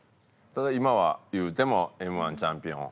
ただ今はいうてもＭ−１チャンピオン。